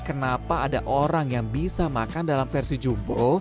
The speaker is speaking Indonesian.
kenapa ada orang yang bisa makan dalam versi jumbo